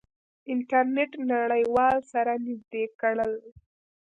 انټرنیټ نړیوال سره نزدې کړل.